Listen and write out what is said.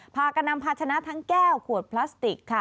พากันนำพาชนะทั้งแก้วขวดพลาสติกค่ะ